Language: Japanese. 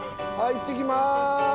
行ってきます！